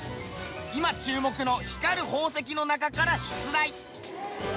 今注目の光る宝石の中から出題。